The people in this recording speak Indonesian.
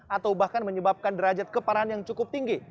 atau bahkan menyebabkan derajat keparahan yang cukup tinggi